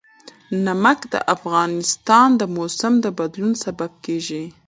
نمک د افغانستان د موسم د بدلون سبب کېږي.